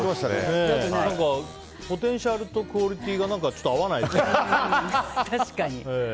何かポテンシャルとクオリティーがちょっと合わないですね。